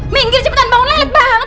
minggir cepetan bangun naik banget